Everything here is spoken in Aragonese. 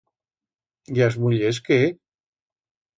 Y as mullers, qué?